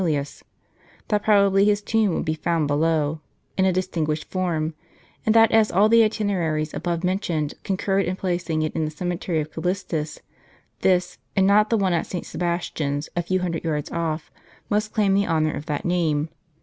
lius; that probably his tomb would be found below, in a distinguished form; and that as all the itineraries above mentioned concurred in placing it in the cemetery of Callistus, this, and not the one at St. Sebastian's, a few hundred yards off, must claim the honor of that name.